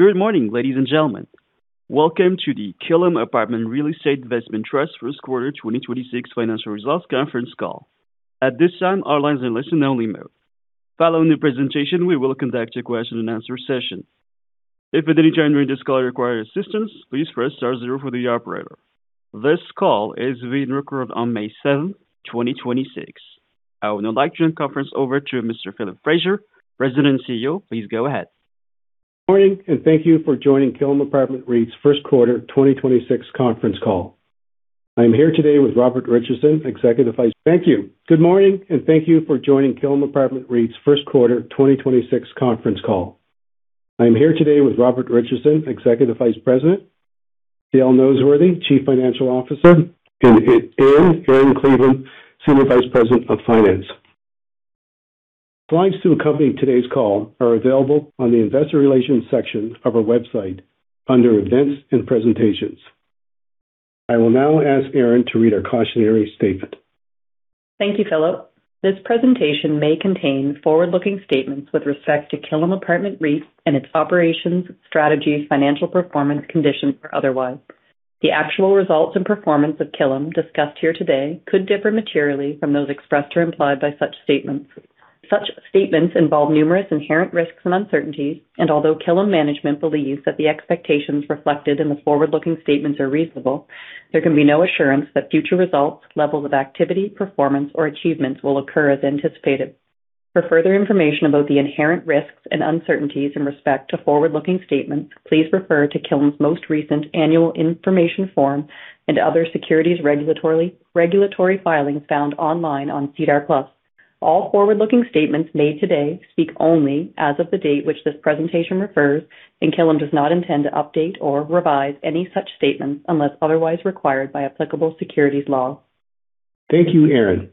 Good morning, ladies and gentlemen. Welcome to the Killam Apartment Real Estate Investment Trust first quarter 2026 financial results conference call. At this time, all lines are listen-only mode. Following the presentation, we will conduct a question and answer session. If at any time during this call you require assistance, please press star zero for the operator. This call is being recorded on May 7th, 2026. I would now like to turn the conference over to Mr. Philip Fraser, President and CEO. Please go ahead. Thank you. Good morning, and thank you for joining Killam Apartment REIT's first quarter 2026 conference call. I am here today with Robert Richardson, Executive Vice President; Dale Noseworthy, Chief Financial Officer; and Erin Cleveland, Senior Vice President of Finance. Slides to accompany today's call are available on the investor relations section of our website under events and presentations. I will now ask Erin to read our cautionary statement. Thank you, Philip. This presentation may contain forward-looking statements with respect to Killam Apartment REIT and its operations, strategies, financial performance, conditions, or otherwise. The actual results and performance of Killam discussed here today could differ materially from those expressed or implied by such statements . Such statement involve numerous inherent risk and uncertainties and although Killam management believes that the expectations reflected in the forward-looking statements are reasonable, there can be no assurance that future results, levels of activity, performance, or achievements will occur as anticipated. For further information about the inherent risks and uncertainties in respect to forward-looking statements, please refer to Killam's most recent annual information form and other securities regulatory filings found online on SEDAR+. All forward-looking statements made today speak only as of the date which this presentation refers, and Killam does not intend to update or revise any such statements unless otherwise required by applicable securities laws. Thank you, Erin.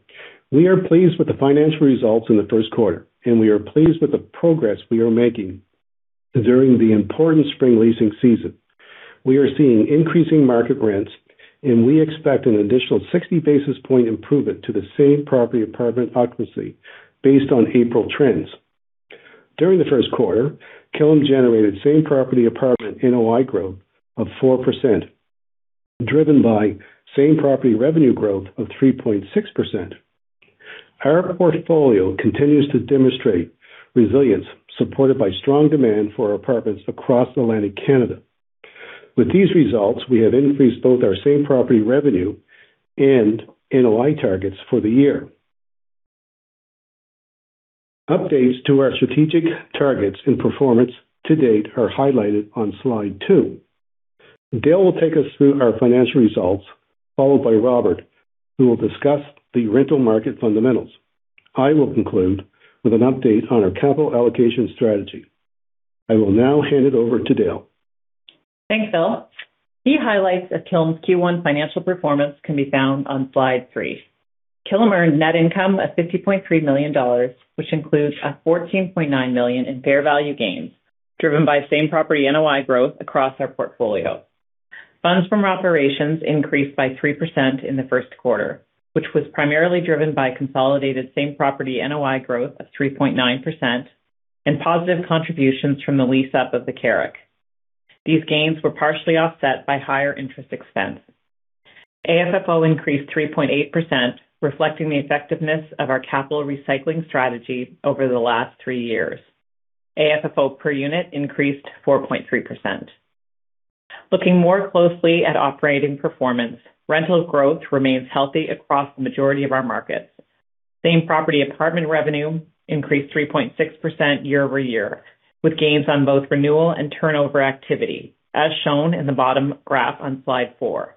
We are pleased with the financial results in the first quarter, and we are pleased with the progress we are making during the important spring leasing season. We are seeing increasing market rents, and we expect an additional 60 basis point improvement to the same property apartment occupancy based on April trends. During the first quarter, Killam generated same-property apartment NOI growth of 4%, driven by same-property revenue growth of 3.6%. Our portfolio continues to demonstrate resilience, supported by strong demand for our apartments across Atlantic Canada. With these results, we have increased both our same property revenue and NOI targets for the year. Updates to our strategic targets and performance to date are highlighted on slide two. Dale will take us through our financial results, followed by Robert, who will discuss the rental market fundamentals. I will conclude with an update on our capital allocation strategy. I will now hand it over to Dale. Thanks, Phil. Key highlights of Killam's Q1 financial performance can be found on slide three. Killam earned net income of 50.3 million dollars, which includes 14.9 million in fair value gains, driven by same property NOI growth across our portfolio. Funds from operations increased by 3% in the first quarter, which was primarily driven by consolidated same-property NOI growth of 3.9% and positive contributions from the lease-up of the Carrick. These gains were partially offset by higher interest expense. AFFO increased 3.8%, reflecting the effectiveness of our capital recycling strategy over the last three years. AFFO per unit increased 4.3%. Looking more closely at operating performance, rental growth remains healthy across the majority of our markets. Same-property apartment revenue increased 3.6% year-over-year, with gains on both renewal and turnover activity, as shown in the bottom graph on slide four.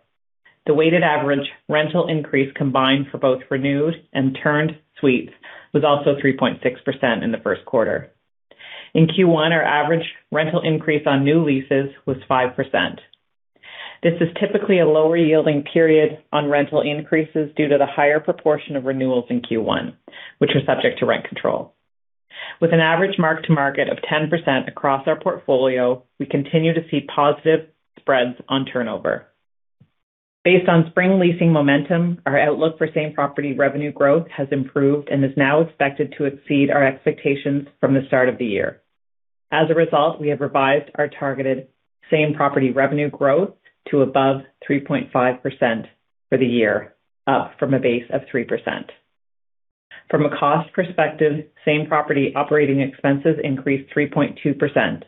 The weighted average rental increase combined for both renewed and turned suites was also 3.6% in the first quarter. In Q1, our average rental increase on new leases was 5%. This is typically a lower yielding period on rental increases due to the higher proportion of renewals in Q1, which were subject to rent control. With an average mark to market of 10% across our portfolio, we continue to see positive spreads on turnover. Based on spring leasing momentum, our outlook for same-property revenue growth has improved and is now expected to exceed our expectations from the start of the year. As a result, we have revised our targeted same-property revenue growth to above 3.5% for the year, up from a base of 3%. From a cost perspective, same-property operating expenses increased 3.2%,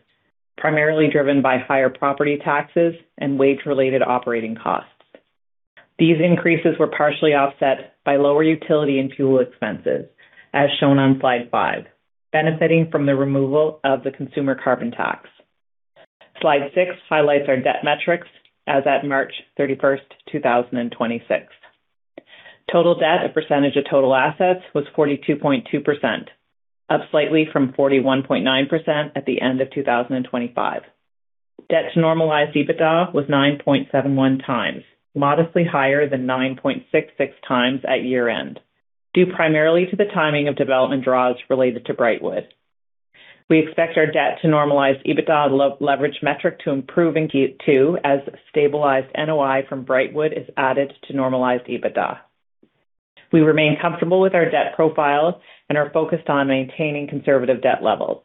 primarily driven by higher property taxes and wage-related operating costs. These increases were partially offset by lower utility and fuel expenses, as shown on slide five, benefiting from the removal of the consumer carbon tax. Slide six, highlights our debt metrics as at March 31, 2026. Total debt, a percentage of total assets, was 42.2%, up slightly from 41.9% at the end of 2025. Debt to normalized EBITDA was 9.71x, modestly higher than 9.66x at year-end, due primarily to the timing of development draws related to Brightwood. We expect our debt to normalized EBITDA leverage metric to improve in Q2 as stabilized NOI from Brightwood is added to normalized EBITDA. We remain comfortable with our debt profile and are focused on maintaining conservative debt levels.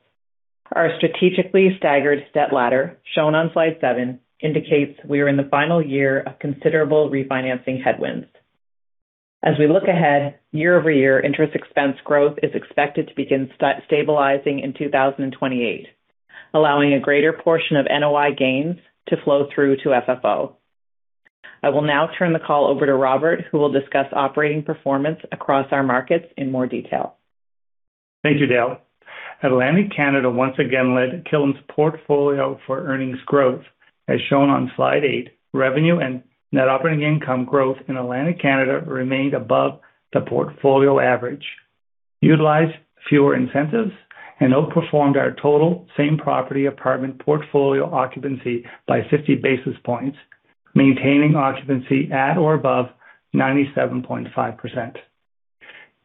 Our strategically staggered debt ladder, shown on slide seven, indicates we are in the final year of considerable refinancing headwinds. As we look ahead, year-over-year interest expense growth is expected to begin stabilizing in 2028, allowing a greater portion of NOI gains to flow through to FFO. I will now turn the call over to Robert, who will discuss operating performance across our markets in more detail. Thank you, Dale. Atlantic Canada once again led Killam's portfolio for earnings growth, as shown on slide eight. Revenue and NOI growth in Atlantic Canada remained above the portfolio average, utilized fewer incentives and outperformed our total same property apartment portfolio occupancy by 50 basis points, maintaining occupancy at or above 97.5%.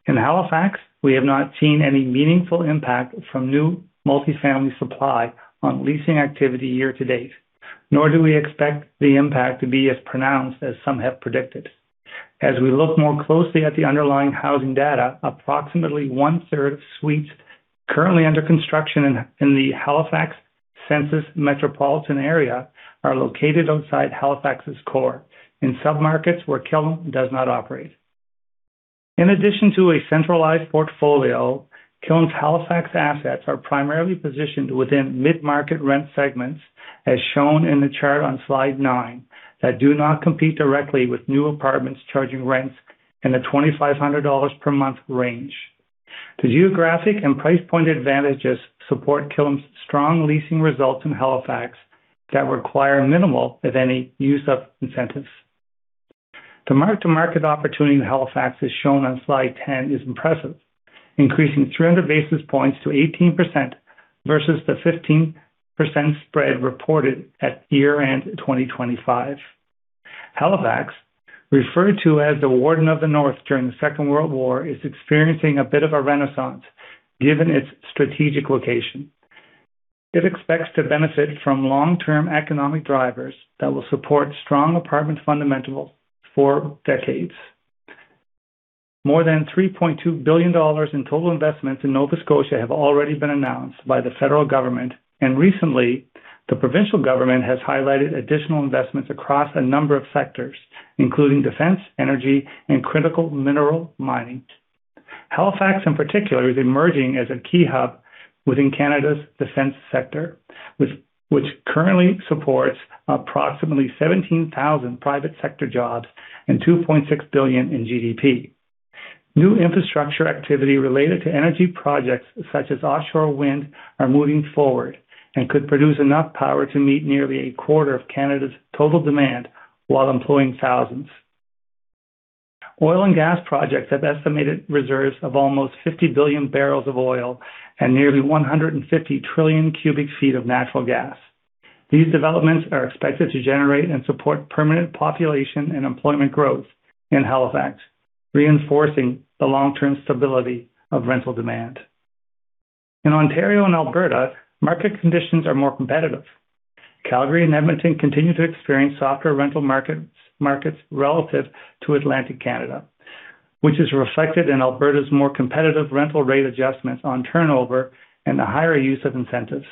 In Halifax, we have not seen any meaningful impact from new multi-family supply on leasing activity year to date, nor do we expect the impact to be as pronounced as some have predicted. As we look more closely at the underlying housing data, approximately one-third of suites currently under construction in the Halifax census metropolitan area are located outside Halifax's core in sub-markets where Killam does not operate. In addition to a centralized portfolio, Killam's Halifax assets are primarily positioned within mid-market rent segments, as shown in the chart on slide nine, that do not compete directly with new apartments charging rents in the 2,500 dollars per month range. The geographic and price point advantages support Killam's strong leasing results in Halifax that require minimal, if any, use of incentives. The mark-to-market opportunity in Halifax, as shown on slide 10, is impressive, increasing 300 basis points to 18% versus the 15% spread reported at year-end 2025. Halifax, referred to as the Warden of the North during the Second World War, is experiencing a bit of a renaissance given its strategic location. It expects to benefit from long-term economic drivers that will support strong apartment fundamentals for decades. More than 3.2 billion dollars in total investments in Nova Scotia have already been announced by the federal government. Recently, the provincial government has highlighted additional investments across a number of sectors, including defense, energy, and critical mineral mining. Halifax, in particular, is emerging as a key hub within Canada's defense sector, which currently supports approximately 17,000 private sector jobs and 2.6 billion in GDP. New infrastructure activity related to energy projects such as offshore wind are moving forward and could produce enough power to meet nearly a quarter of Canada's total demand while employing thousands. Oil and gas projects have estimated reserves of almost 50 billion barrels of oil and nearly 150 trillion cubic feet of natural gas. These developments are expected to generate and support permanent population and employment growth in Halifax, reinforcing the long-term stability of rental demand. In Ontario and Alberta, market conditions are more competitive. Calgary and Edmonton continue to experience softer rental markets relative to Atlantic Canada, which is reflected in Alberta's more competitive rental rate adjustments on turnover and a higher use of incentives.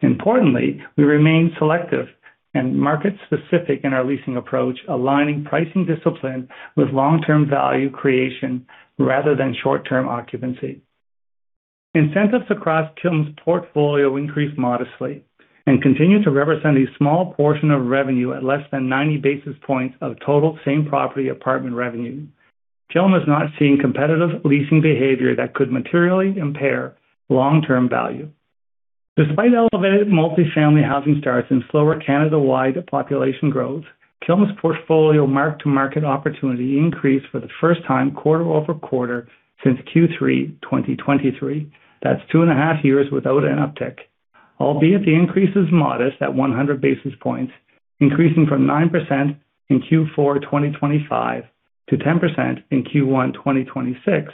Importantly, we remain selective and market specific in our leasing approach, aligning pricing discipline with long-term value creation rather than short-term occupancy. Incentives across Killam's portfolio increased modestly and continue to represent a small portion of revenue at less than 90 basis points of total same property apartment revenue. Killam has not seen competitive leasing behavior that could materially impair long-term value. Despite elevated multi-family housing starts and slower Canada-wide population growth, Killam's portfolio mark-to-market opportunity increased for the first time quarter-over-quarter since Q3 2023. That's 2.5 years without an uptick. Albeit the increase is modest at 100 basis points, increasing from 9% in Q4 2025 to 10% in Q1 2026.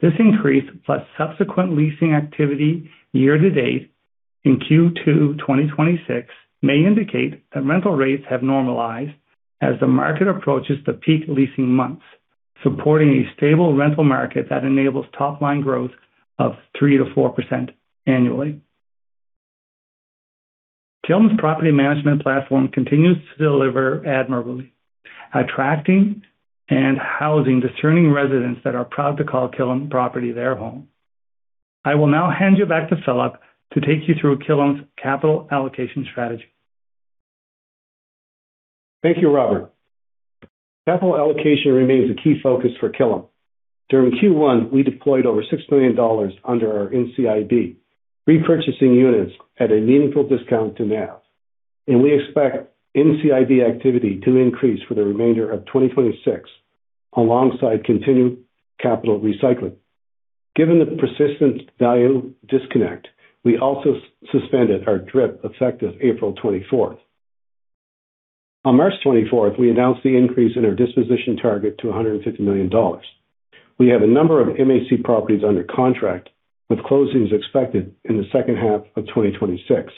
This increase, plus subsequent leasing activity year-to-date in Q2 2026 may indicate that rental rates have normalized as the market approaches the peak leasing months, supporting a stable rental market that enables top-line growth of 3%-4% annually. Killam's property management platform continues to deliver admirably, attracting and housing discerning residents that are proud to call Killam property their home. I will now hand you back to Philip to take you through Killam's capital allocation strategy. Thank you, Robert. Capital allocation remains a key focus for Killam. During Q1, we deployed over 6 million dollars under our NCIB, repurchasing units at a meaningful discount to NAV. We expect NCIB activity to increase for the remainder of 2026 alongside continued capital recycling. Given the persistent value disconnect, we also suspended our DRIP, effective April 24th. On March 24th, we announced the increase in our disposition target to 150 million dollars. We have a number of MHC properties under contract with closings expected in the second half of 2026.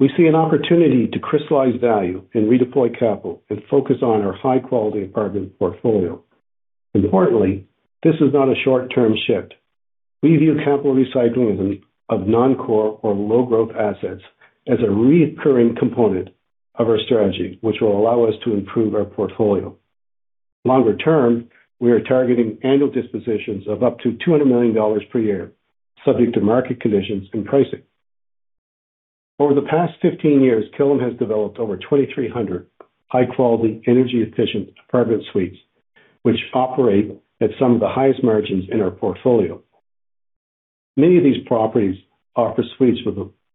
We see an opportunity to crystallize value and redeploy capital and focus on our high quality apartment portfolio. Importantly, this is not a short-term shift. We view capital recycling of non-core or low growth assets as a reoccurring component of our strategy, which will allow us to improve our portfolio. Longer term, we are targeting annual dispositions of up to 200 million dollars per year, subject to market conditions and pricing. Over the past 15 years, Killam has developed over 2,300 high quality energy efficient apartment suites, which operate at some of the highest margins in our portfolio. Many of these properties offer suites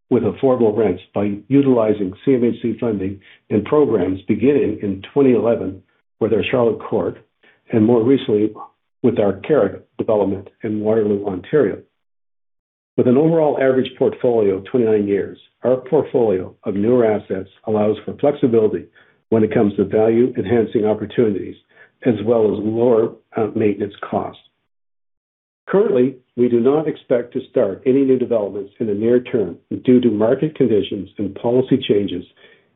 with affordable rents by utilizing CMHC funding and programs beginning in 2011 with our Charlotte Court, and more recently with our Carrick development in Waterloo, Ontario. With an overall average portfolio of 29 years, our portfolio of newer assets allows for flexibility when it comes to value-enhancing opportunities as well as lower maintenance costs. Currently, we do not expect to start any new developments in the near term due to market conditions and policy changes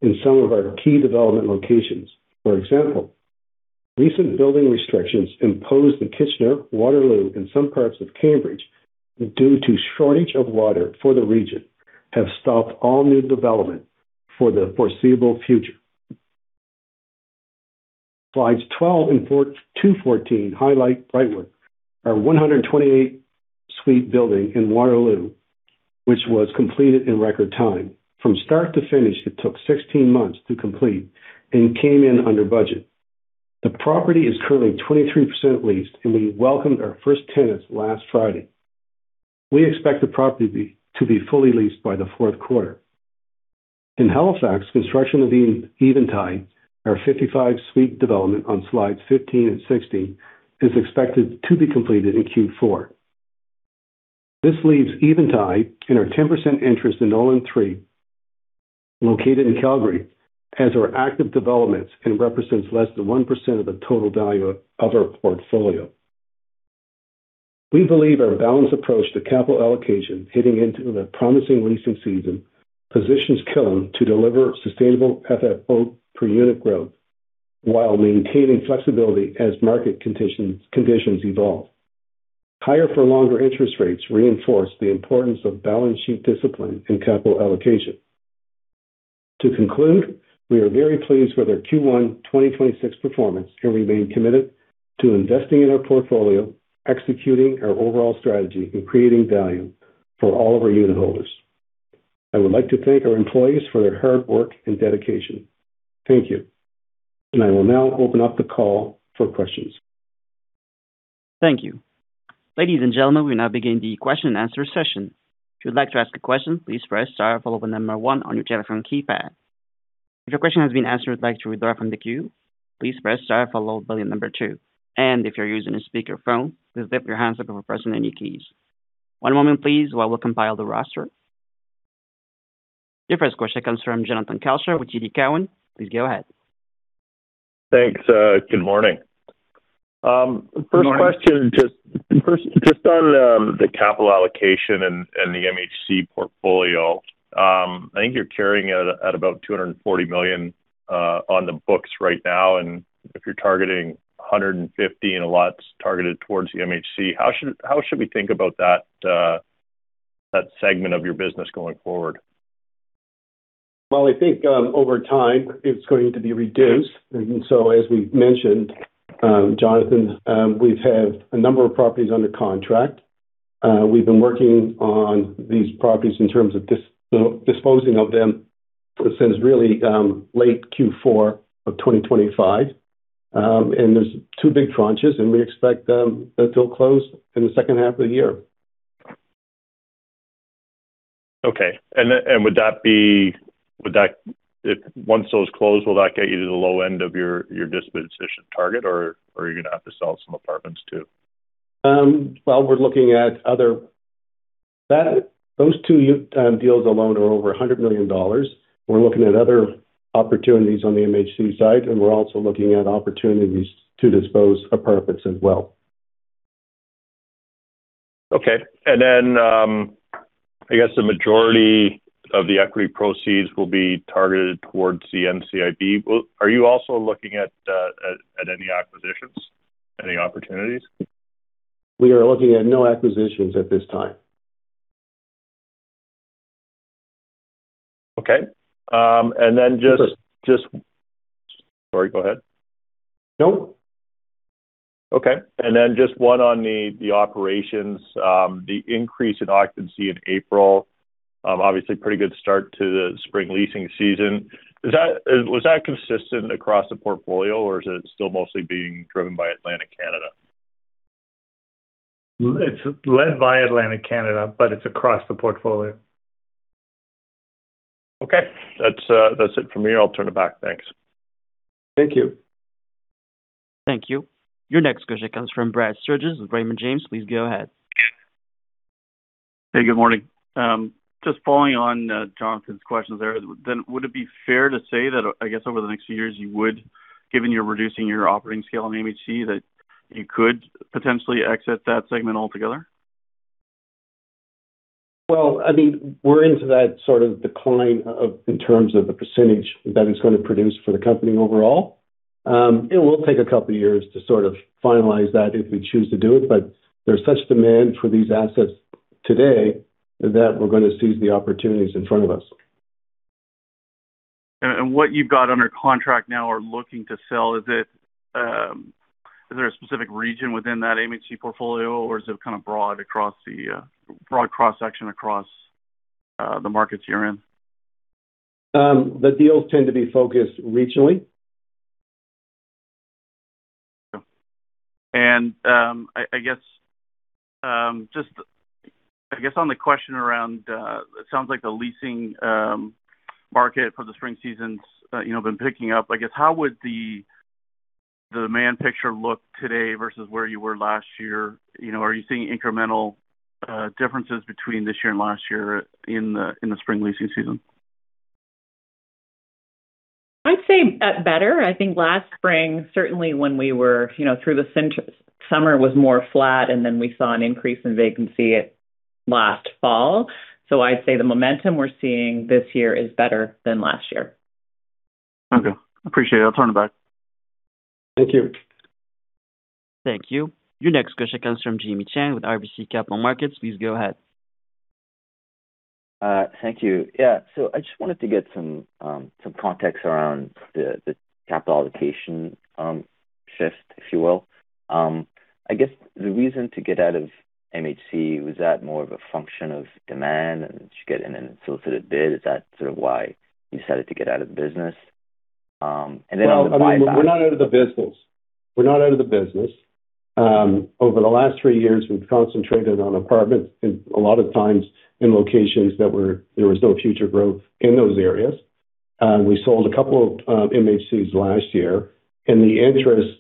in some of our key development locations. For example, recent building restrictions imposed in Kitchener, Waterloo, and some parts of Cambridge due to shortage of water for the region have stopped all new development for the foreseeable future. Slides 12 and 14 highlight Brightwood, our 128-suite building in Waterloo, which was completed in record time. From start to finish, it took 16 months to complete and came in under budget. The property is currently 23% leased, and we welcomed our first tenants last Friday. We expect the property to be fully leased by the fourth quarter. In Halifax, construction of the Eventide, our 55-suite development on slides 15 and 16, is expected to be completed in Q4. This leaves Eventide in our 10% interest in Nolan Three, located in Calgary, as our active developments and represents less than 1% of the total value of our portfolio. We believe our balanced approach to capital allocation heading into the promising leasing season positions Killam to deliver sustainable FFO per unit growth while maintaining flexibility as market conditions evolve. Higher for longer interest rates reinforce the importance of balance sheet discipline and capital allocation. To conclude, we are very pleased with our Q1 2026 performance and remain committed to investing in our portfolio, executing our overall strategy, and creating value for all of our unit holders. I would like to thank our employees for their hard work and dedication. Thank you. I will now open up the call for questions. Thank you. Ladies and gentlemen, we now begin the question and answer session. Your first question comes from Jonathan Kelcher with TD Cowen. Please go ahead. Thanks, good morning. Good morning. First question, just on the capital allocation and the MHC portfolio. I think you're carrying it at about 240 million on the books right now. If you're targeting 150 and a lot's targeted towards the MHC, how should we think about that segment of your business going forward? Well, I think, over time it's going to be reduced. As we've mentioned, Jonathan, we've had a number of properties under contract. We've been working on these properties in terms of disposing of them since really late Q4 of 2025. There's two big tranches, and we expect them to close in the second half of the year. Okay. Once those close, will that get you to the low end of your disposition target or are you gonna have to sell some apartments too? Well, we're looking at those two deals alone are over 100 million dollars. We're looking at other opportunities on the MHC side, and we're also looking at opportunities to dispose apartments as well. Okay. I guess the majority of the equity proceeds will be targeted towards the NCIB. Well, are you also looking at any acquisitions, any opportunities? We are looking at no acquisitions at this time. Okay. Okay. Just Sorry, go ahead. Nope. Okay. Just one on the operations. The increase in occupancy in April, obviously pretty good start to the spring leasing season. Was that consistent across the portfolio or is it still mostly being driven by Atlantic Canada? It's led by Atlantic Canada, but it's across the portfolio. Okay. That's it for me. I'll turn it back. Thanks. Thank you. Thank you. Your next question comes from Brad Sturges with Raymond James. Please go ahead. Hey, good morning. Just following on Jonathan's questions there, then would it be fair to say that I guess over the next few years you would, given you're reducing your operating scale on MHC, that you could potentially exit that segment altogether? Well, I mean, we're into that sort of decline in terms of the percentage that it's going to produce for the company overall. It will take a couple of years to sort of finalize that if we choose to do it. There's such demand for these assets today that we're going to seize the opportunities in front of us. What you've got under contract now or looking to sell, is it, is there a specific region within that MHC portfolio or is it kind of broad across the broad cross-section across the markets you're in? The deals tend to be focused regionally. I guess, just I guess on the question around, it sounds like the leasing, market for the spring season's, you know, been picking up. I guess how would the demand picture look today versus where you were last year? You know, are you seeing incremental, differences between this year and last year in the, in the spring leasing season? I'd say better. I think last spring, certainly when we were, you know, through the summer was more flat, and then we saw an increase in vacancy last fall. I'd say the momentum we're seeing this year is better than last year. Okay. Appreciate it. I'll turn it back. Thank you. Thank you. Your next question comes from Jimmy Shan with RBC Capital Markets. Please go ahead. Thank you. I just wanted to get some context around the capital allocation shift, if you will. I guess the reason to get out of MHC, was that more of a function of demand? Did you get an unsolicited bid? Is that sort of why you decided to get out of the business? Then on the buyback- Well, I mean, we're not out of the business. We're not out of the business. Over the last three years, we've concentrated on apartments in a lot of times in locations that were there was no future growth in those areas. We sold a couple MHCs last year, and the interest,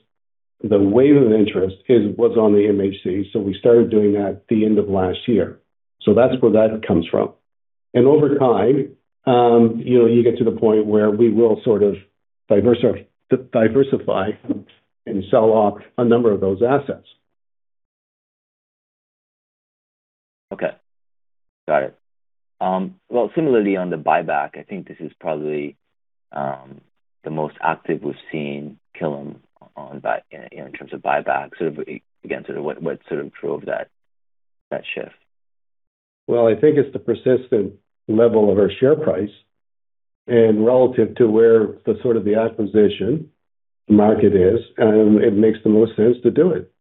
the wave of interest was on the MHC, we started doing that at the end of last year. That's where that comes from. Over time, you know, you get to the point where we will sort of diversify and sell off a number of those assets. Okay. Got it. Similarly, on the buyback, I think this is probably the most active we've seen Killam in terms of buyback, again, what sort of drove that shift? Well, I think it's the persistent level of our share price and relative to where the sort of the acquisition market is, it makes the most sense to do it.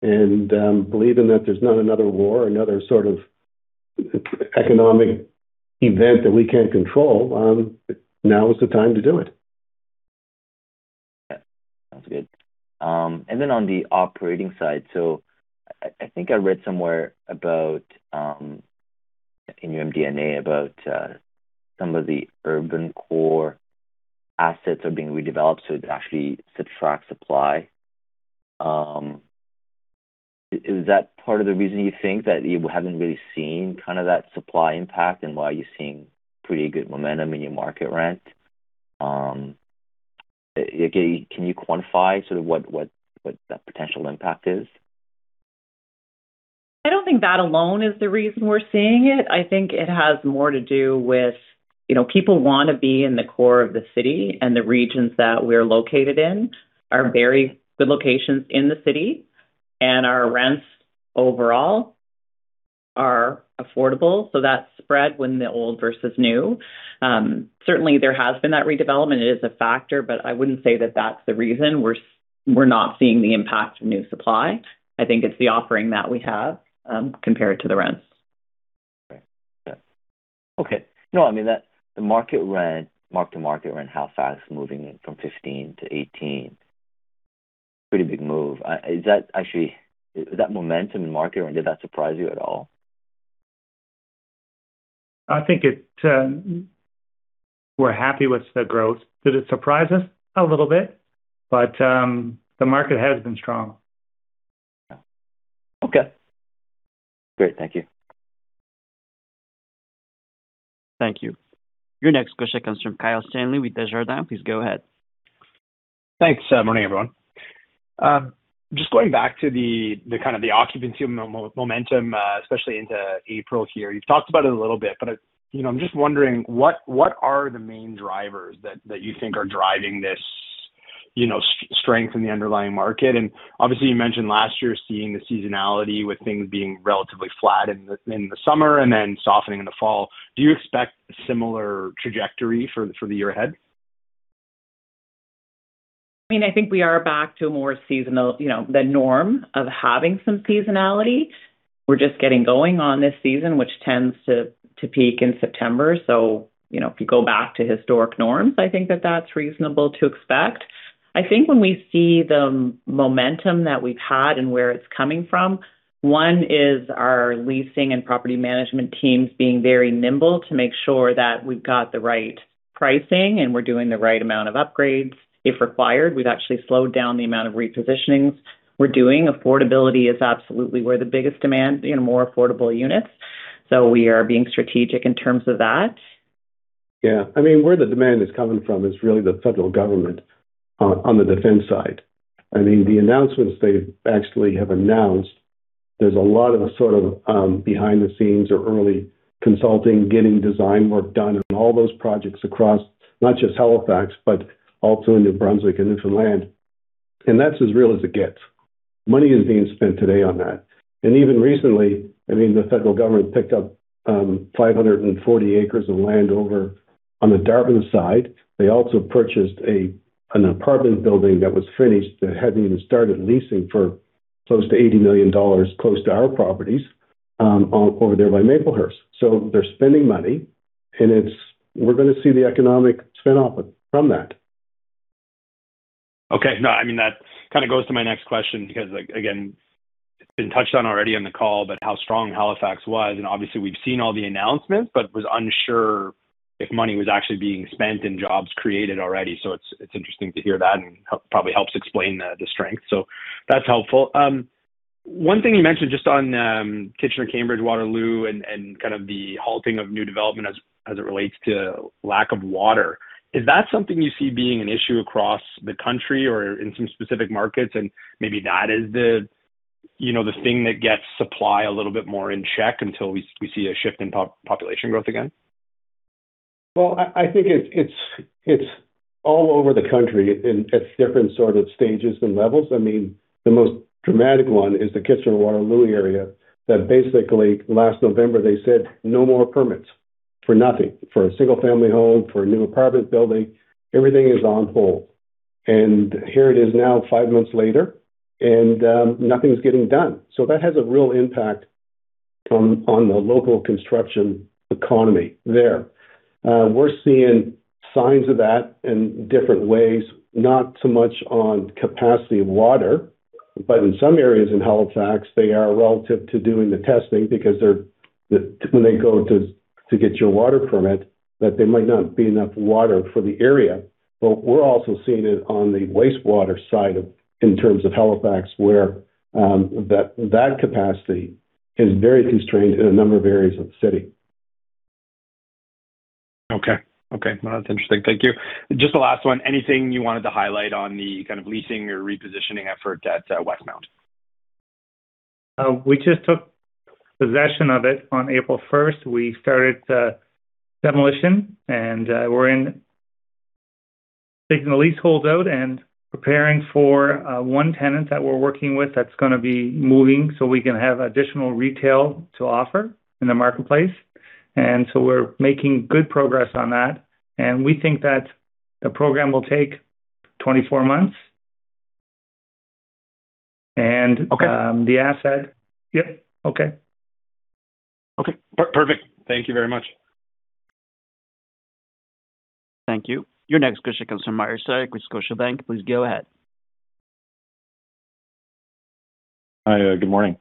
Believing that there's not another war, another sort of economic event that we can't control, now is the time to do it. Yeah. Sounds good. On the operating side, I think I read somewhere about in your MD&A about some of the urban core assets are being redeveloped, so it actually subtracts supply. Is that part of the reason you think that you haven't really seen kind of that supply impact and why you're seeing pretty good momentum in your market rent? Can you quantify sort of what that potential impact is? I don't think that alone is the reason we're seeing it. I think it has more to do with, you know, people wanna be in the core of the city, and the regions that we're located in are very good locations in the city, and our rents overall are affordable. That spread when the old versus new. Certainly there has been that redevelopment. It is a factor, but I wouldn't say that that's the reason we're not seeing the impact of new supply. I think it's the offering that we have compared to the rents. Okay. Yeah. Okay. No, I mean, the market rent, mark-to-market rent, how fast moving from 15% to 18%. Pretty big move. Is that momentum in the market or did that surprise you at all? We're happy with the growth. Did it surprise us? A little bit. The market has been strong. Yeah. Okay. Great. Thank you. Thank you. Your next question comes from Kyle Stanley with Desjardins. Please go ahead. Thanks. Morning, everyone. Just going back to the kind of the occupancy momentum, especially into April here. You've talked about it a little bit, but, you know, I'm just wondering what are the main drivers that you think are driving this, you know, strength in the underlying market? Obviously, you mentioned last year seeing the seasonality with things being relatively flat in the summer and then softening in the fall. Do you expect similar trajectory for the year ahead? I mean, I think we are back to a more seasonal, you know, the norm of having some seasonality. We're just getting going on this season, which tends to peak in September. You know, if you go back to historic norms, I think that that's reasonable to expect. I think when we see the momentum that we've had and where it's coming from, one is our leasing and property management teams being very nimble to make sure that we've got the right pricing and we're doing the right amount of upgrades. If required, we've actually slowed down the amount of repositionings we're doing. Affordability is absolutely where the biggest demand, you know, more affordable units. We are being strategic in terms of that. Yeah. I mean, where the demand is coming from is really the Federal Government on the defense side. I mean, the announcements they actually have announced, there's a lot of sort of behind the scenes or early consulting, getting design work done on all those projects across not just Halifax, but also in New Brunswick and Newfoundland. That's as real as it gets. Money is being spent today on that. Even recently, I mean, the Federal Government picked up 540 acres of land over on the Dartmouth side. They also purchased an apartment building that was finished, that hadn't even started leasing for close to 80 million dollars, close to our properties, over there by Maplehurst. They're spending money, and we're gonna see the economic spinoff from that. Okay. No, I mean, that kind of goes to my next question because, like, again, it's been touched on already on the call, but how strong Halifax was, and obviously we've seen all the announcements but was unsure if money was actually being spent and jobs created already. It's interesting to hear that and probably helps explain the strength. That's helpful. One thing you mentioned just on Kitchener, Cambridge, Waterloo, and kind of the halting of new development as it relates to lack of water. Is that something you see being an issue across the country or in some specific markets and maybe that is the, you know, the thing that gets supply a little bit more in check until we see a shift in population growth again? I think it's all over the country in different sort of stages and levels. I mean, the most dramatic one is the Kitchener-Waterloo area that basically last November they said, No more permits for nothing. For a single-family home, for a new apartment building, everything is on hold. Here it is now, five months later, and nothing's getting done. That has a real impact on the local construction economy there. We're seeing signs of that in different ways, not so much on capacity of water, but in some areas in Halifax, they are relative to doing the testing because when they go to get your water permit, that there might not be enough water for the area. We're also seeing it on the wastewater in terms of Halifax, where that capacity is very constrained in a number of areas of the city. Okay. Okay. No, that's interesting. Thank you. Just the last one, anything you wanted to highlight on the kind of leasing or repositioning effort at Westmount? We just took possession of it on April 1st. We started demolition, and we're taking the leaseholds out and preparing for one tenant that we're working with that's gonna be moving so we can have additional retail to offer in the marketplace. We're making good progress on that, and we think that the program will take 24 months. Okay. Yep. Okay. Okay. Perfect. Thank you very much. Thank you. Your next question comes from Mario Saric with Scotiabank. Please go ahead. Hi. Good morning.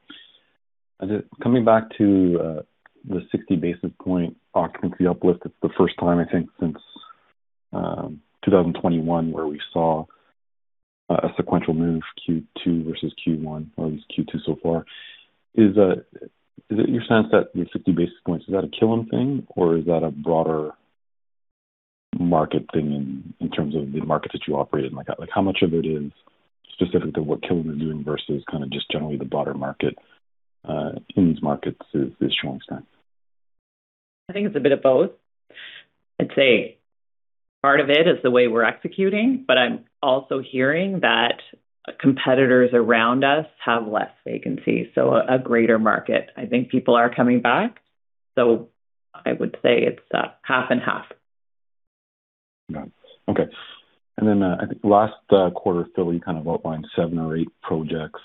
Coming back to the 60 basis point occupancy uplift, it's the first time I think since 2021 where we saw a sequential move Q2 versus Q1 or at least Q2 so far. Is it your sense that the 60 basis points, is that a Killam thing or is that a broader market thing in terms of the market that you operate in? Like how much of it is specific to what Killam is doing versus kind of just generally the broader market in these markets is showing sign? I think it's a bit of both. I'd say part of it is the way we're executing, but I'm also hearing that competitors around us have less vacancy, so a greater market. I think people are coming back, so I would say it's half and half. Got it. Okay. I think last quarter, Philip Fraser kind of outlined seven or eight projects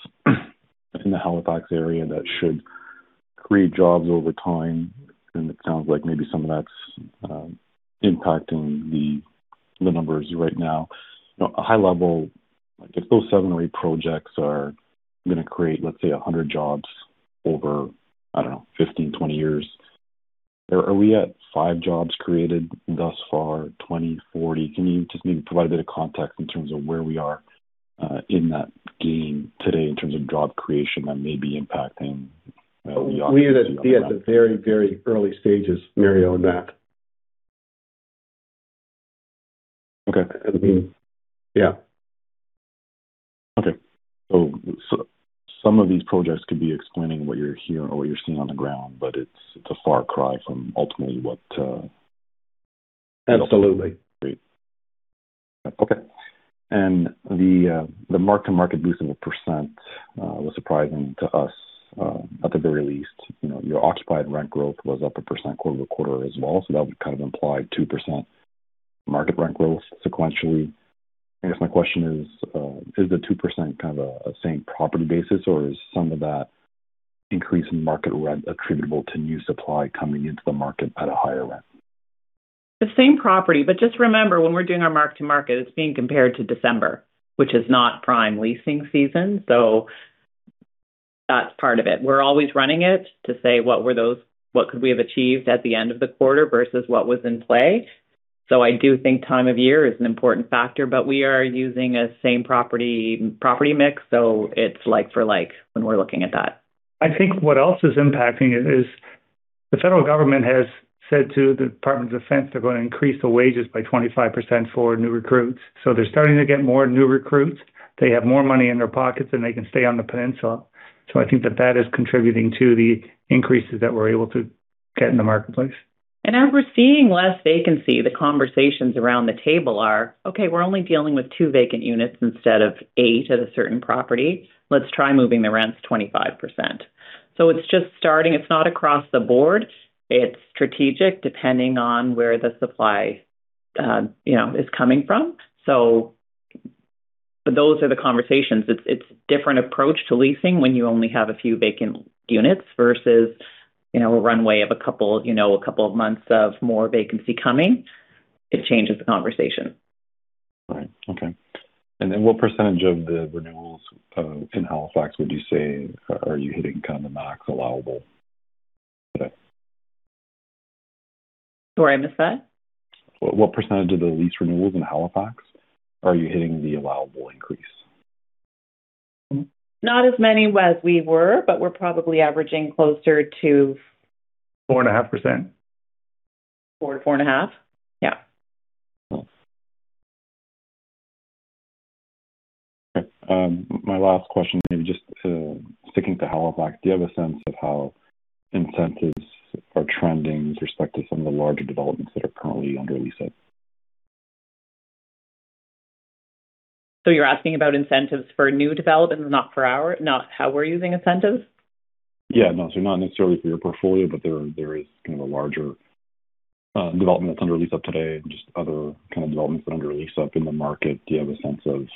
in the Halifax area that should create jobs over time, and it sounds like maybe some of that's impacting the numbers right now. You know, high level, like if those seven or eight projects are gonna create, let's say 100 jobs over, I don't know, 15, 20 years, are we at five jobs created thus far? 20, 40? Can you just maybe provide a bit of context in terms of where we are in that game today in terms of job creation that may be impacting the occupancy on the ground? We're at the very, very early stages, Mario, in that. Okay. I mean Yeah. Some of these projects could be explaining what you're hearing or what you're seeing on the ground, but it's a far cry from ultimately what. Absolutely. Great. Okay. The mark-to-market boost of 1% was surprising to us at the very least. You know, your occupied rent growth was up 1% quarter-over-quarter as well. That would kind of imply 2% market rent growth sequentially. I guess my question is the 2% kind of a same property basis or is some of that increase in market rent attributable to new supply coming into the market at a higher rent? The same property. Just remember, when we're doing our mark to market, it's being compared to December, which is not prime leasing season. That's part of it. We're always running it to say what could we have achieved at the end of the quarter versus what was in play. I do think time of year is an important factor, but we are using a same property mix, so it's like for like when we're looking at that. I think what else is impacting it is the federal government has said to the Department of Defense they're gonna increase the wages by 25% for new recruits. They're starting to get more new recruits. They have more money in their pockets, and they can stay on the peninsula. I think that that is contributing to the increases that we're able to get in the marketplace. As we're seeing less vacancy, the conversations around the table are, "Okay, we're only dealing with two vacant units instead of eight at a certain property. Let's try moving the rents 25%." It's just starting. It's not across the board. It's strategic, depending on where the supply, you know, is coming from. Those are the conversations. It's different approach to leasing when you only have a few vacant units versus, you know, a runway of a couple, you know, a couple of months of more vacancy coming. It changes the conversation. Right. Okay. Then what % of the renewals in Halifax would you say are you hitting kind of the max allowable today? Sorry, I missed that. What percent of the lease renewals in Halifax are you hitting the allowable increase? Not as many as we were, but we're probably averaging closer to. 4.5%. 4.5%. Yeah. Cool. Okay. My last question maybe sticking to Halifax, do you have a sense of how incentives are trending with respect to some of the larger developments that are currently under lease up? You're asking about incentives for new developments, not for not how we're using incentives? Yeah. No. Not necessarily for your portfolio, but there is kind of a larger development that's under lease up today and just other kind of developments that are under lease up in the market. Do you have a sense of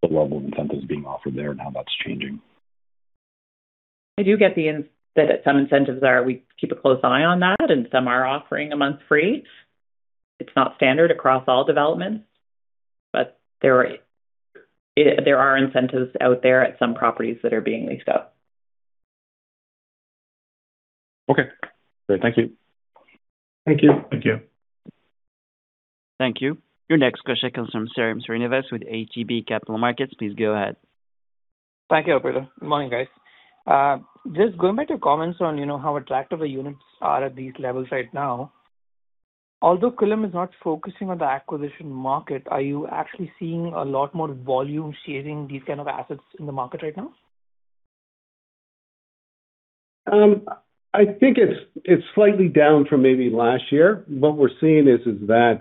what level of incentives being offered there and how that's changing? I do get that some incentives are. We keep a close eye on that, and some are offering one month free. It's not standard across all developments, but there are incentives out there at some properties that are being leased up. Okay. Great. Thank you. Thank you. Thank you. Thank you. Your next question comes from Sairam Srinivas with ATB Capital Markets. Please go ahead. Thank you, operator. Good morning, guys. Just going back to comments on, you know, how attractive the units are at these levels right now. Although Killam is not focusing on the acquisition market, are you actually seeing a lot more volume sharing these kind of assets in the market right now? I think it's slightly down from maybe last year. What we're seeing is that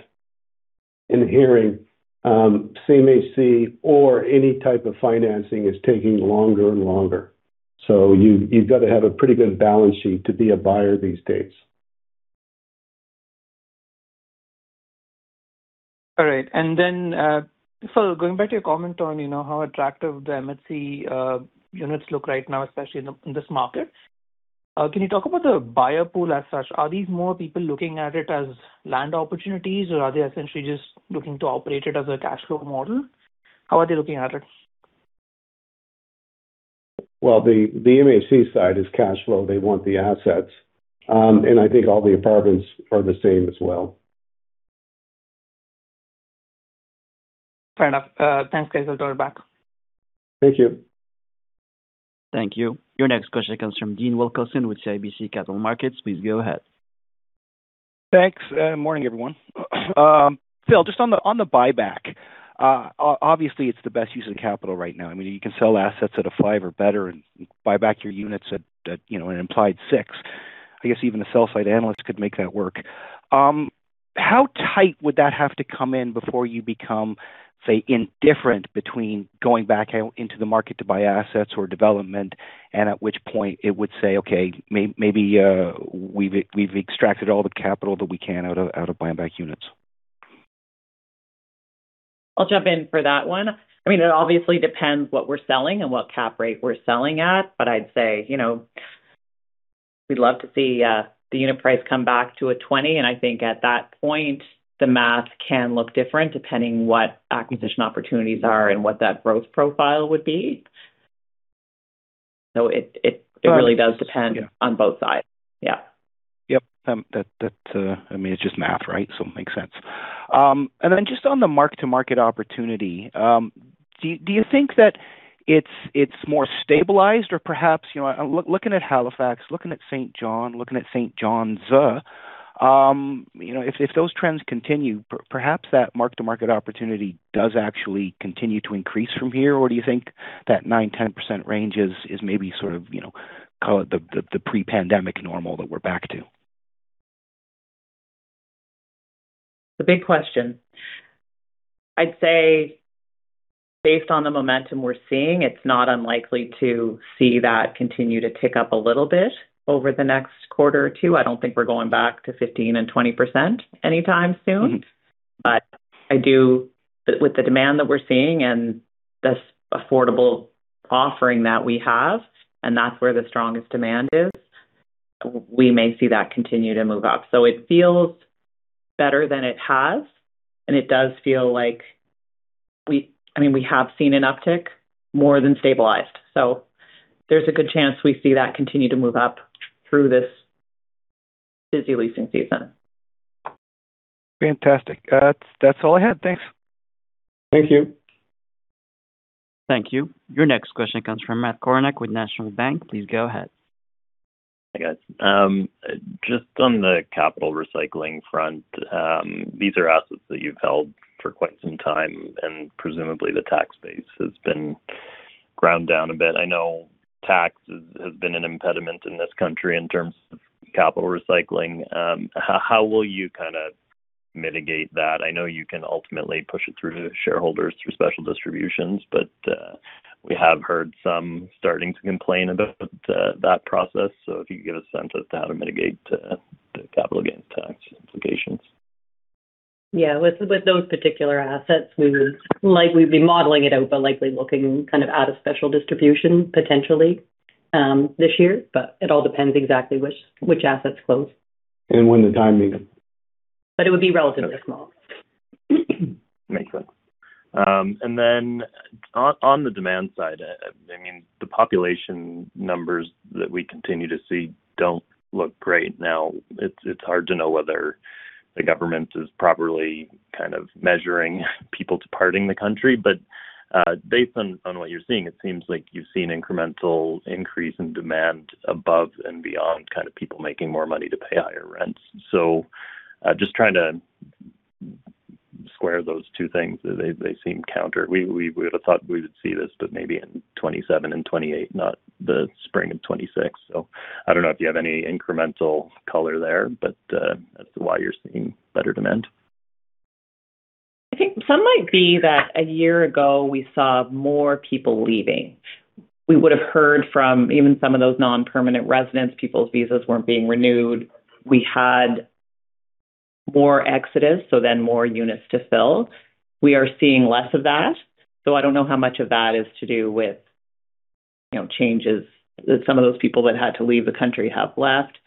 in hearing CMHC or any type of financing is taking longer and longer. You, you've got to have a pretty good balance sheet to be a buyer these days. Going back to your comment on, you know, how attractive the MHC units look right now, especially in this market. Can you talk about the buyer pool as such? Are these more people looking at it as land opportunities, or are they essentially just looking to operate it as a cash flow model? How are they looking at it? Well, the MHC side is cash flow. They want the assets. I think all the apartments are the same as well. Fair enough. Thanks, guys. I'll turn it back. Thank you. Thank you. Your next question comes from Dean Wilkinson with CIBC Capital Markets. Please go ahead. Thanks. Morning, everyone. Phil, just on the buyback. Obviously, it's the best use of capital right now. I mean, you can sell assets at a five or better and buy back your units at, you know, an implied six. I guess even a sell side analyst could make that work. How tight would that have to come in before you become, say, indifferent between going back out into the market to buy assets or development and at which point it would say, "Okay, maybe, we've extracted all the capital that we can out of buyback units? I'll jump in for that one. I mean, it obviously depends what we're selling and what cap rate we're selling at. I'd say, you know, we'd love to see the unit price come back to 20, and I think at that point, the math can look different depending what acquisition opportunities are and what that growth profile would be. It really does depend on both sides. Yeah. Yep. That, I mean, it's just math, right? It makes sense. Just on the mark-to-market opportunity, do you think that it's more stabilized or perhaps, you know, looking at Halifax, looking at Saint John, looking at Saint John's, you know, if those trends continue, perhaps that mark-to-market opportunity does actually continue to increase from here? Do you think that 9%-10% range is maybe sort of, you know, call it the pre-pandemic normal that we're back to? It's a big question. I'd say based on the momentum we're seeing, it's not unlikely to see that continue to tick up a little bit over the next quarter or two. I don't think we're going back to 15% and 20% anytime soon. With the demand that we're seeing and this affordable offering that we have, and that's where the strongest demand is, we may see that continue to move up. It feels better than it has, and it does feel like I mean, we have seen an uptick more than stabilized. There's a good chance we see that continue to move up through this busy leasing season. Fantastic. That's all I had. Thanks. Thank you. Thank you. Your next question comes from Matt Kornack with National Bank. Please go ahead. Hi, guys. Just on the capital recycling front, these are assets that you've held for quite some time, and presumably the tax base has been ground down a bit. I know taxes have been an impediment in this country in terms of capital recycling. How will you kinda mitigate that? I know you can ultimately push it through to shareholders through special distributions, but we have heard some starting to complain about that process. If you could give a sense as to how to mitigate the capital gains tax implications. Yeah. With those particular assets, we would likely be modeling it out, but likely looking kind of at a special distribution potentially this year. It all depends exactly which assets close. When the timing. It would be relatively small. Makes sense. On the demand side, I mean, the population numbers that we continue to see don't look great. Now, it's hard to know whether the government is properly kind of measuring people departing the country. Based on what you're seeing, it seems like you've seen incremental increase in demand above and beyond kind of people making more money to pay higher rents. Just trying to square those two things. They seem counter. We would've thought we would see this but maybe in 2027 and 2028, not the spring of 2026. I don't know if you have any incremental color there as to why you're seeing better demand. I think some might be that a year ago we saw more people leaving. We would've heard from even some of those non-permanent residents, people's visas weren't being renewed. We had more exodus, more units to fill. We are seeing less of that, I don't know how much of that is to do with, you know, changes. Some of those people that had to leave the country have left.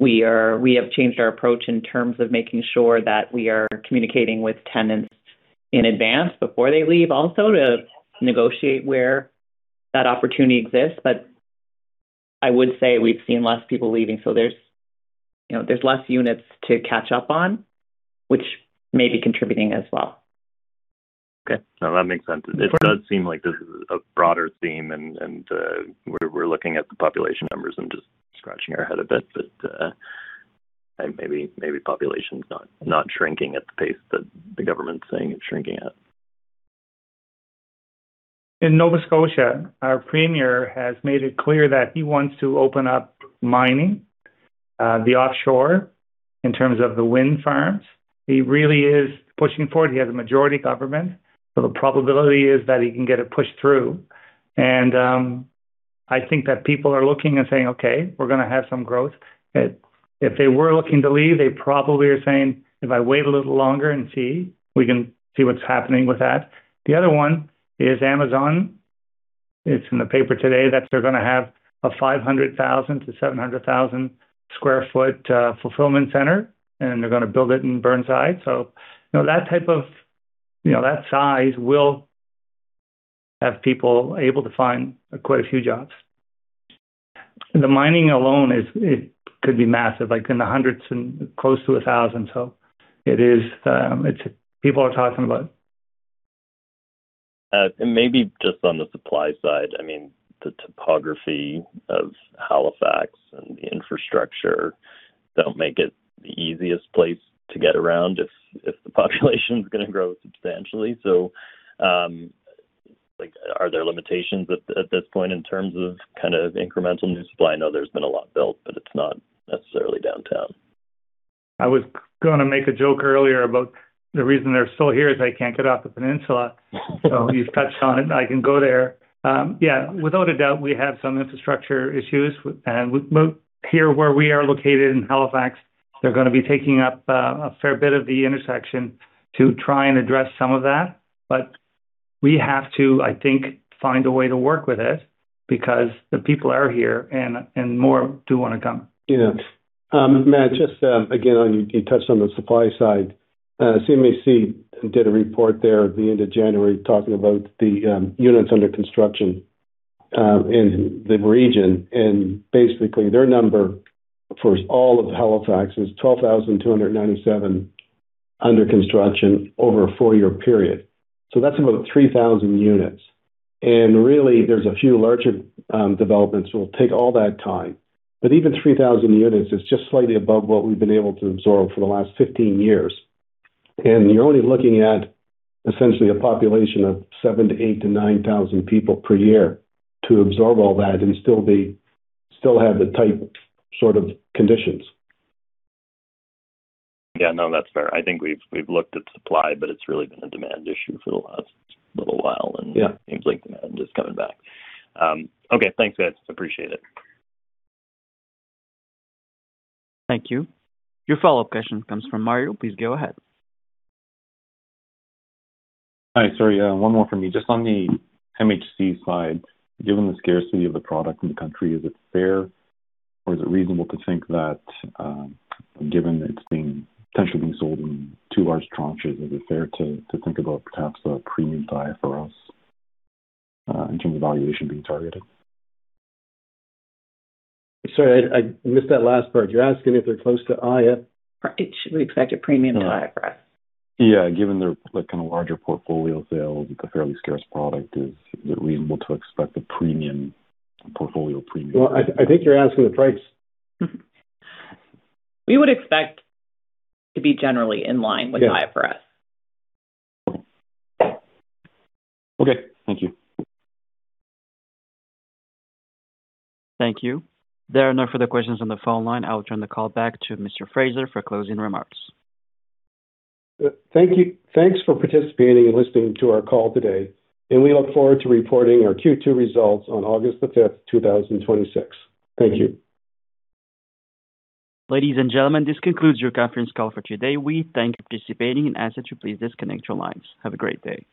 We have changed our approach in terms of making sure that we are communicating with tenants in advance before they leave also to negotiate where that opportunity exists. I would say we've seen less people leaving, there's, you know, there's less units to catch up on, which may be contributing as well. Okay. No, that makes sense. It does seem like this is a broader theme and we're looking at the population numbers and just scratching our head a bit. Maybe population's not shrinking at the pace that the government's saying it's shrinking at. In Nova Scotia, our premier has made it clear that he wants to open up mining, the offshore in terms of the wind farms. He really is pushing forward. He has a majority government, the probability is that he can get it pushed through. I think that people are looking and saying, "Okay, we're gonna have some growth." If they were looking to leave, they probably are saying, "If I wait a little longer and see, we can see what's happening with that." The other one is Amazon. It's in the paper today that they're gonna have a 500,000 sq ft to 700,000sq ft fulfillment center, and they're gonna build it in Burnside. You know, that type of, you know, that size will have people able to find quite a few jobs. The mining alone, it could be massive, like in the hundreds and close to 1,000 sq ft. It is, it's people are talking about. Maybe just on the supply side, I mean, the topography of Halifax and the infrastructure, they'll make it the easiest place to get around if the population's gonna grow substantially. Like, are there limitations at this point in terms of kind of incremental new supply? I know there's been a lot built, but it's not necessarily downtown. I was gonna make a joke earlier about the reason they're still here is they can't get off the peninsula. You've touched on it. I can go there. Yeah, without a doubt, we have some infrastructure issues. Well, here where we are located in Halifax, they're gonna be taking up a fair bit of the intersection to try and address some of that. We have to, I think, find a way to work with it because the people are here and more do wanna come. Matt, just, again, you touched on the supply side. CMHC did a report there at the end of January talking about the units under construction in the region. Basically, their number for all of Halifax is 12,297 under construction over a four-year period. That's about 3,000 units. Really, there's a few larger developments will take all that time. Even 3,000 units is just slightly above what we've been able to absorb for the last 15 years. You're only looking at essentially a population of 7,000-8,000-9,000 people per year to absorb all that and still have the tight sort of conditions. Yeah. No, that's fair. I think we've looked at supply, but it's really been a demand issue for the last little while. Yeah. It seems like demand is coming back. Okay. Thanks, guys. Appreciate it. Thank you. Your follow-up question comes from Mario. Please go ahead. Hi. Sorry, one more from me. Just on the MHC side, given the scarcity of the product in the country, is it fair or is it reasonable to think that, potentially being sold in two large tranches, is it fair to think about perhaps a premium to IFRS in terms of valuation being targeted? Sorry, I missed that last part. You're asking if they're close to IFRS? Should we expect a premium to IFRS? Yeah. Given their, like, kind of larger portfolio sales with a fairly scarce product, is it reasonable to expect a premium, a portfolio premium? Well, I think you're asking the price. We would expect to be generally in line with IFRS. Okay. Thank you. Thank you. There are no further questions on the phone line. I'll turn the call back to Mr. Fraser for closing remarks. Thank you. Thanks for participating and listening to our call today, and we look forward to reporting our Q2 results on August the 5th, 2026. Thank you. Ladies and gentlemen, this concludes your conference call for today. We thank you for participating and ask that you please disconnect your lines. Have a great day.